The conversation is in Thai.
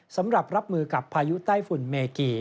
สำหรับรับมือกับพายุใต้ฝุ่นเมกี